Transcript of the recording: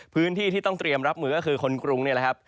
พื้นที่ที่ต้องเตรียมรับมือก็คือคนกรุงนี่แหละครับ